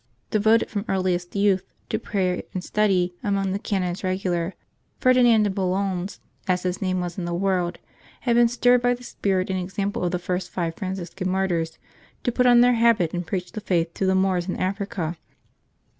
Devoted from earliest youth to pra3 er and study among the Canons Eegular, Ferdinand de Bulloens, as his name was in the world, had been stirred, by the spirit and example of the first five Franciscan martyrs, to put on their habit and preach the Faith to the Moors in Africa.